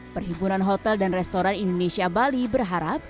perhimpunan hotel dan restoran indonesia bali berharap